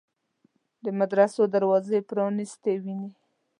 د مدرسو دروازې پرانیستې ویني.